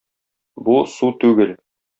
Бу - су түгел.